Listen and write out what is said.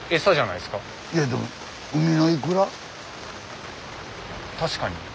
いやでも確かに。